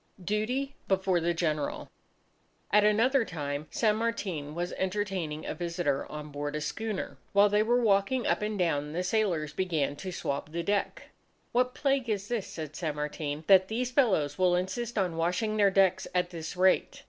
Duty Before the General At another time, San Martin was entertaining a visitor on board a schooner. While they were walking up and down, the sailors began to swab the deck. "What a plague it is," said San Martin, "that these fellows will insist on washing their decks at this rate."